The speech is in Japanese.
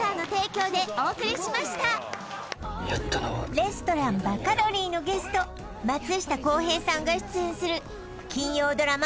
レストラン・バカロリーのゲスト松下洸平さんが出演する金曜ドラマ